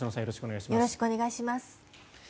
よろしくお願いします。